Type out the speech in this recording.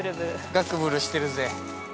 ガクブルしてるぜ。